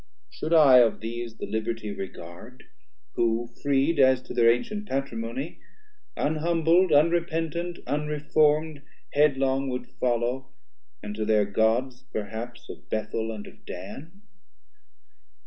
Should I of these the liberty regard, Who freed, as to their antient Patrimony, Unhumbl'd, unrepentant, unreform'd, Headlong would follow; and to thir Gods perhaps 430 Of Bethel and of Dan?